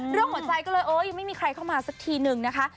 หัวใจก็เลยเออยังไม่มีใครเข้ามาสักทีนึงนะคะ